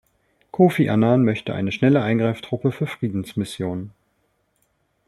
Kofi Annan möchte eine schnelle Eingreiftruppe für Friedensmissionen.